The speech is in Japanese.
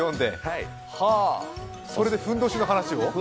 それでふんどしの話を？